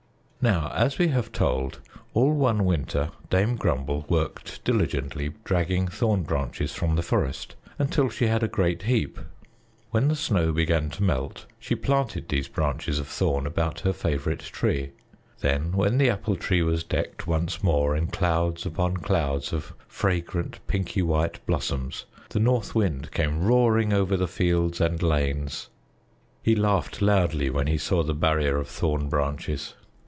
Now, as we have told, all one winter Dame Grumble worked diligently dragging thorn branches from the forest, until she had a great heap. When the snow began to melt, she planted these branches of thorn about her favorite tree. Then when the Apple Tree was decked once more in clouds upon clouds of fragrant, pinky white blossoms, the North Wind came roaring over the fields and lanes. He laughed loudly when he saw the barrier of thorn branches.